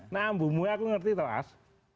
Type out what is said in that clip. nah mbumu ya aku ngerti tawas